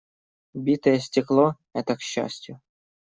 Битое стекло - это к счастью.